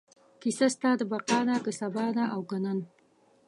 کیسه ستا د بقا ده، که سبا ده او که نن